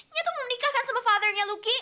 nya tuh mau menikahkan sama fathernya luki